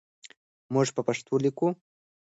موږ په پښتو لیکو.